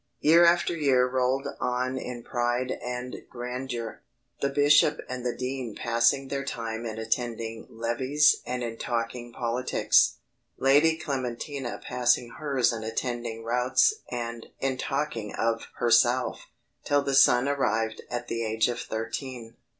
Year after year rolled on in pride and grandeur; the bishop and the dean passing their time in attending levees and in talking politics; Lady Clementina passing hers in attending routs and in talking of herself, till the son arrived at the age of thirteen.